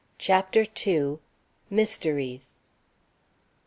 CHAPTER II. MYSTERIES.